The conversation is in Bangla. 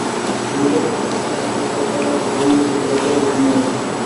দুই দফায় টাকা নেওয়ার পর রোববার রাতে বন্দুকযুদ্ধে রেজাউল ইসলাম নিহত হন।